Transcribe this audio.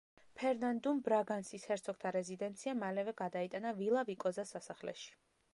ფერნანდუმ ბრაგანსის ჰერცოგთა რეზიდენცია მალევე გადაიტანა ვილა-ვიკოზას სასახლეში.